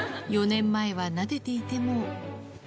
４年前はなでていても。